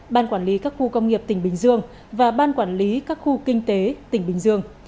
ban quản lý các khu công nghiệp tỉnh bình dương và ban quản lý các khu kinh tế tỉnh bình dương